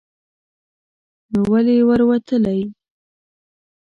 نو ولې ور وتلی ؟